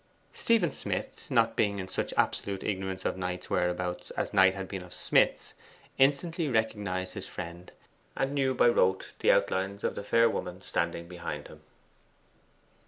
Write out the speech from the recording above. Stephen Smith, not being in such absolute ignorance of Knight's whereabouts as Knight had been of Smith's instantly recognized his friend, and knew by rote the outlines of the fair woman standing behind him.